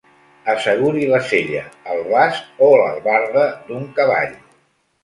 Asseguri la sella, el bast o l'albarda d'un cavall.